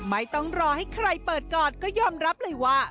ไม่ต้องรอให้ใครเปิดก่อนก็ยอมรับเลยว่า